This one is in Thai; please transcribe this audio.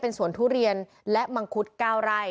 เป็นส่วนทุเรียนและมังคุดก้าวไร